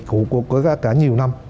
của cả nhiều năm